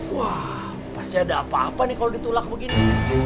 wah pasti ada apa apa nih kalau ditolak begini